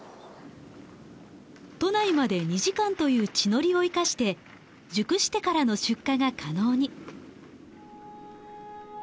都内まで２時間という地の利を生かして熟してからの出荷が可能に。